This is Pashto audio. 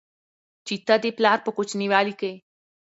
چې ته دې پلار په کوچينوالي کې